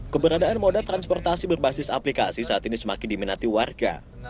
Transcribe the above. keberadaan moda transportasi berbasis aplikasi saat ini semakin diminati warga